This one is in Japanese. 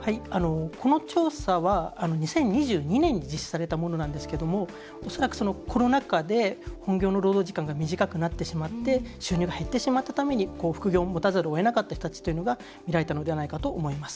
この調査は２０２２年に実施されたもので恐らく、コロナ禍で本業の労働時間が短くなって収入がすくなってしまって副業をもたざるをえなくなった人が見られたのではないかと思います。